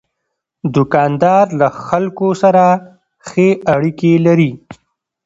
دوکاندار له خلکو سره ښې اړیکې لري.